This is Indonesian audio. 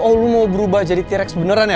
oh lu mau berubah jadi t rex beneran ya